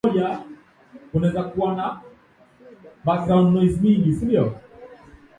Mahakama Kuu ya Marekani yabadili sheria ya kuruhusu utoaji mimba Roe V Wade